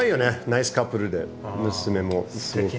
ナイスカップルで娘もかわいい。